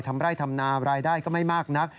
ไร่ทำนารายได้ก็ไม่มากนัก